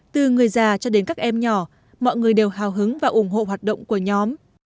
từ người già cho đến các em nhỏ mọi người đều hào hứng và ủng hộ hoạt động của nhóm